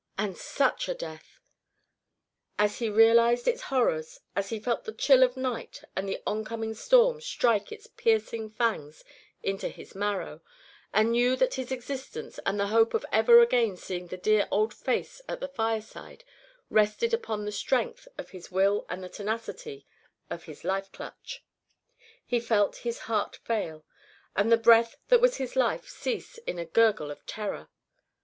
And such a death! As he realised its horrors, as he felt the chill of night and the oncoming storm strike its piercing fangs into his marrow, and knew that his existence and the hope of ever again seeing the dear old face at the fireside rested upon the strength of his will and the tenacity of his life clutch, he felt his heart fail, and the breath that was his life cease in a gurgle of terror.